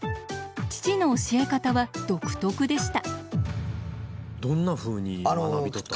父の教え方は独特でした。